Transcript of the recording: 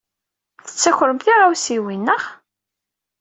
Tettakrem tiɣawsiwin, naɣ?